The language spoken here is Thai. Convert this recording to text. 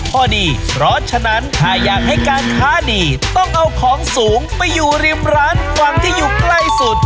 พอดีเพราะฉะนั้นถ้าอยากให้การค้าดีต้องเอาของสูงไปอยู่ริมร้านฝั่งที่อยู่ใกล้สุด